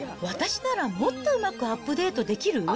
私ならもっとうまくアップデートできる？